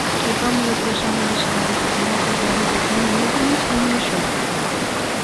Levámolo por zonas históricas, mentres vai resolvendo enigmas e minixogos.